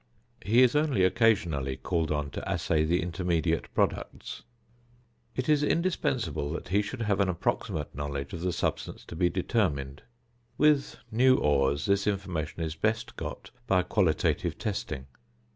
He is only occasionally called on to assay the intermediate products. It is indispensable that he should have an approximate knowledge of the substance to be determined. With new ores this information is best got by a qualitative testing.